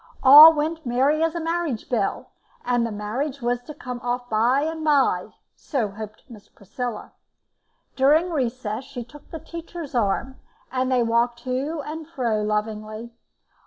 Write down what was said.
All went merry as a marriage bell, and the marriage was to come off by and by so hoped Miss Priscilla. During the recess she took the teacher's arm, and they walked to and fro lovingly.